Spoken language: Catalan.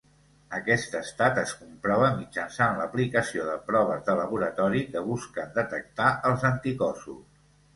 Aquest estat es comprova mitjançant l'aplicació de proves de laboratori que busquen detectar els anticossos.